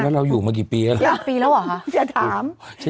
แล้วเราอยู่มากี่ปีแล้วล่ะ